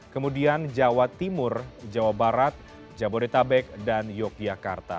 kemudian jawa timur jawa barat jabodetabek dan yogyakarta